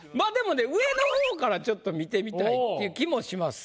上の方からちょっと見てみたいっていう気もします。